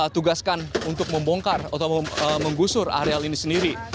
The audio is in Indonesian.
tugaskan untuk membongkar atau menggusur areal ini sendiri